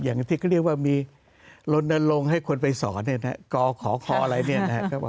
อย่างที่เรียกว่ามีลนลงให้คนไปสอนก่อขอคออะไร